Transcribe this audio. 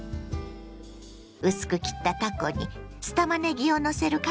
薄く切ったたこに酢たまねぎをのせるカルパッチョ。